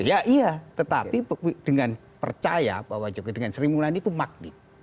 ya tetapi dengan percaya bahwa jokowi dengan sri mulyani itu maknik